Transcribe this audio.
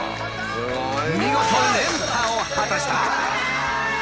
見事連覇を果たした。